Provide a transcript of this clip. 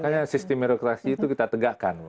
karena sistem meritokrasi itu kita tegakkan